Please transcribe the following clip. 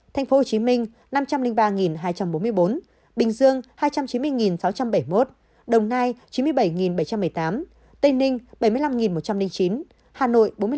tp hcm năm trăm linh ba hai trăm bốn mươi bốn bình dương hai trăm chín mươi sáu trăm bảy mươi một đồng nai chín mươi bảy bảy trăm một mươi tám tây ninh bảy mươi năm một trăm linh chín hà nội bốn mươi năm tám trăm ba mươi tám